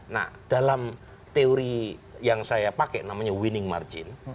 nah dalam teori yang saya pakai namanya winning margin